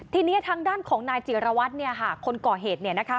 ทีนี้ทางด้านของนายจิรวัตรเนี่ยค่ะคนก่อเหตุเนี่ยนะคะ